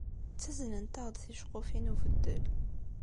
Ttaznent-aɣ-d ticeqqufin n ubeddel.